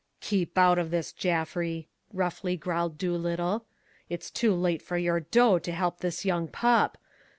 "Keep out of this, Jaffry," roughly growled Doolittle. "It's too late for your dough to help this young pup.